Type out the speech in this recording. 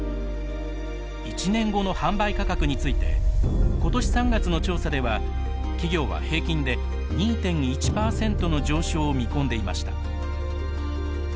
１年後の販売価格について今年３月の調査では企業は平均で２．１％の上昇を見込んでいました。